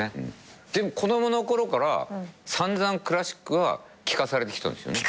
子供のころから散々クラシックは聞かされてきたんですよね？